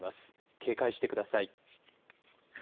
警戒してください。